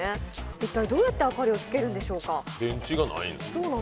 一体どうやって明かりをつけるんでしょうか？